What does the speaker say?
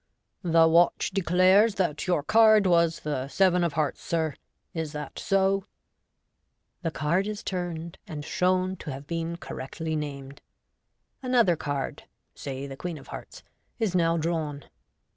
a The watch declares that your card was the seven of hearts, sir. Is that so ?" The card is turned, and shown to have been correctly named. Another card (say the queen of hearts) is now drawn.